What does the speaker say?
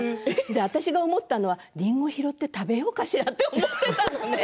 私が思ったのはりんごを拾って食べようかしらと思っていたのね。